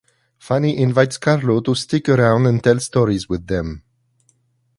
Fanny invites Carlo to stick around and tell stories with them.